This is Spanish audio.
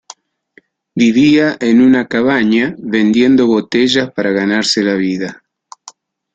Vivía en una cabaña vendiendo botellas para ganarse la vida.